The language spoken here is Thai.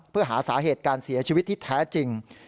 เพื่อหาสาเหตุการเสียชีวิตที่แท้จริง